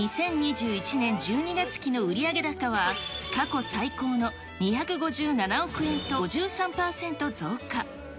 ２０２１年１２月期の売上高は、過去最高の２５７億円と、前の年より５３％増加。